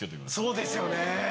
そうですよねぇ。